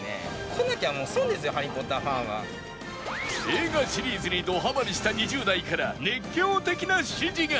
映画シリーズにどハマりした２０代から熱狂的な支持が！